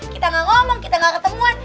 kita gak ngomong kita gak ketemuan